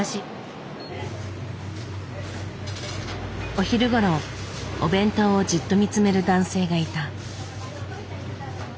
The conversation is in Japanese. お昼ごろお弁当をじっと見つめる男性がいた。